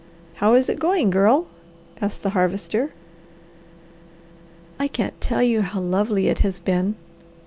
"How is it going, Girl?" asked the Harvester. "I can't tell you how lovely it has been!"